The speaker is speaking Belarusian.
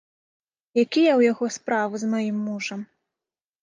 Якія ў яго справы з маім мужам?